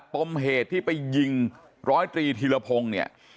ปมเหตุที่ไปยิงร้อยตรีธีรพงศ์เนี่ย